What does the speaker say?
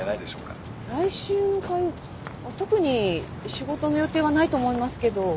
特に仕事の予定はないと思いますけど。